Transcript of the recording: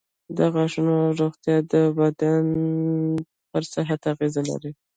د غاښونو روغتیا د ټول بدن پر صحت اغېز لري.